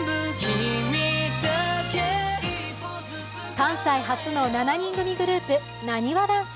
関西発の７人組グループなにわ男子。